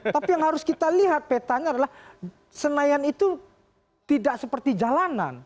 tapi yang harus kita lihat petanya adalah senayan itu tidak seperti jalanan